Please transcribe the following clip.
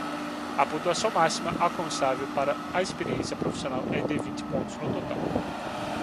A pontuação máxima alcançável para a experiência profissional é de vinte pontos no total.